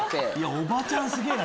おばちゃんすげぇな！